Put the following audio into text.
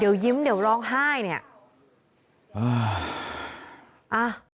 เดี๋ยวยิ้มเดี๋ยวร้องไห้เนี่ยอ่า